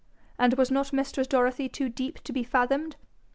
And was not mistress Dorothy too deep to be fathomed?